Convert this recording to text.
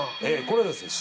これですね